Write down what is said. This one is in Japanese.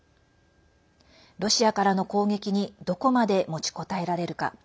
ロシアからの攻撃にどこまで持ちこたえられるか。